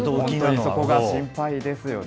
そこが心配ですよね。